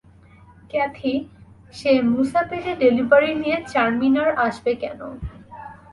Kathy, সে মুসাপেটে delivery নিয়ে চারমিনার আসবে কেন?